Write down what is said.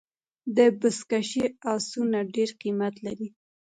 د بزکشۍ آسونه ډېر قیمت لري.